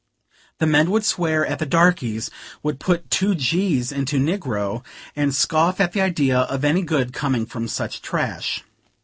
The men would swear at the "darkies," would put two gs into negro, and scoff at the idea of any good coming from such trash.